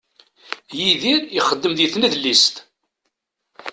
Yidir ixeddem di tnedlist.